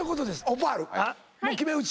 オパールもう決め打ち。